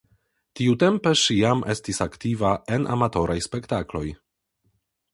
Tiutempe ŝi jam estis aktiva en amatoraj spektakloj.